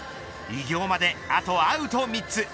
偉業まであとアウト３つ。